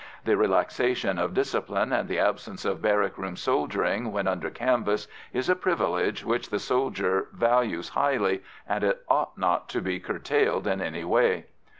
The relaxation of discipline and the absence of barrack room soldiering when under canvas is a privilege which the soldier values highly, and it ought not to be curtailed in any way.